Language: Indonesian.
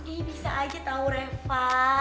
ini bisa aja tau reva